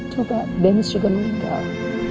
coba dennis juga meninggal